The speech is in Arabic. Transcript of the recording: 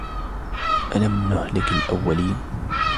ألم نهلك الأولين